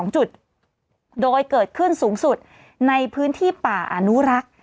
๒จุดโดยเกิดขึ้นสูงสุดในพื้นที่ป่าอนุรักษ์